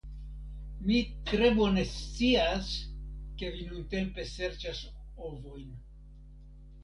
Mi tre bone scias ke vi nuntempe serĉas ovojn.